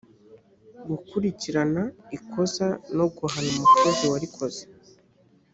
gukurikirana ikosa no guhana umukozi warikoze